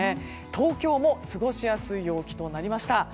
東京も過ごしやすい陽気となりました。